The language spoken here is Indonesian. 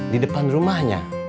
di depan rumahnya